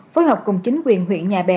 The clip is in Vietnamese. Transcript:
phối hợp cùng chính quyền huyện nhà bè